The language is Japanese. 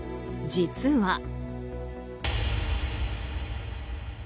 実は。